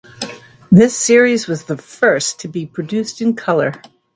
This series was the first to be produced in colour.